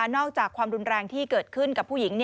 อกจากความรุนแรงที่เกิดขึ้นกับผู้หญิง